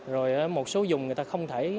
rồi một số dùng người ta không thể